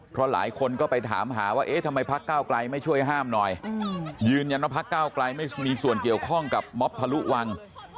เพราะหลายคนก็ไปถามหาว่าเอ๊ะทำไมพักเก้าไกลไม่ช่วยห้ามหน่อยยืนยันว่าพักเก้าไกลไม่มีส่วนเกี่ยวข้องกับม็อบทะลุวัง